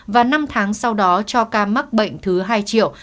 và năm tháng sau đó cho ca mắc bệnh thứ hai triệu